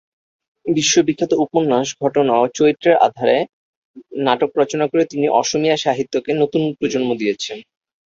বিশ্ববিখ্যাত উপন্যাস, ঘটনা ও চরিত্রের আধারে নাটক রচনা করে তিনি অসমীয়া সাহিত্যকে নতুন প্রজন্ম দিয়েছেন।